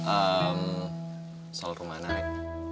emm soal rumah anak